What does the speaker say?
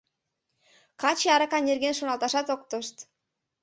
Каче арака нерген шоналташат от тошт!